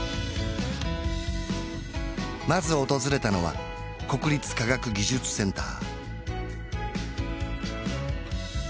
まず訪れたのは国立科学技術センター